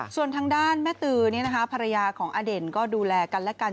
ส่วนทางด้านแม่ตือนี่นะคะภรรยาของอเด่นก็ดูแลกันและกัน